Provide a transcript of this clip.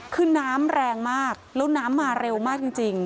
คือน้ำแรงมากแล้วน้ำมาเร็วมากจริง